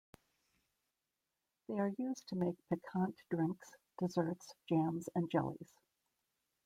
They are used to make piquant drinks, desserts, jams, and jellies.